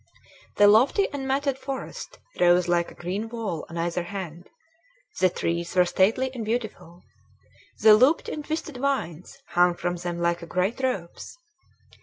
The lofty and matted forest rose like a green wall on either hand. The trees were stately and beautiful. The looped and twisted vines hung from them like great ropes.